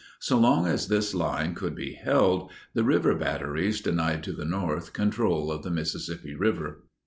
So long as this line could be held, the river batteries denied to the North control of the Mississippi River.